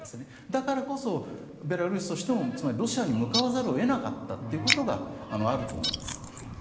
だからこそ、ベラルーシとしてもロシアに向かわざるを得なかったことがあると思います。